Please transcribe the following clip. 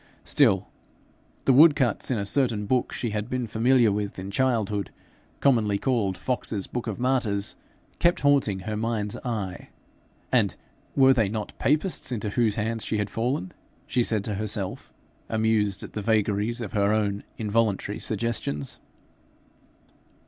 Still, the wood cuts in a certain book she had been familiar with in childhood, commonly called Fox's Book of Martyrs, kept haunting her mind's eye and were they not Papists into whose hands she had fallen? she said to herself, amused at the vagaries of her own involuntary suggestions.